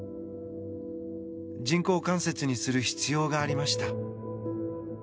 人工関節にする必要がありました。